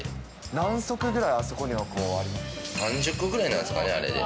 何足ぐらいあそこにはありま３０足くらいなんですかね、あれで。